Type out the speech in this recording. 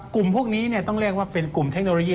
กลุ่มพวกนี้ต้องเรียกว่าเป็นกลุ่มเทคโนโลยี